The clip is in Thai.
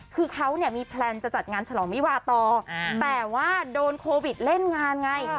คือเขาเนี่ยมีแพลนจะจัดงานฉลองวิวาต่อแต่ว่าโดนโควิดเล่นงานไง